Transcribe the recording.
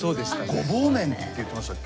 ごぼう麺って言ってましたっけ。